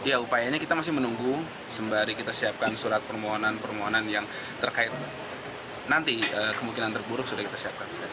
ya upayanya kita masih menunggu sembari kita siapkan surat permohonan permohonan yang terkait nanti kemungkinan terburuk sudah kita siapkan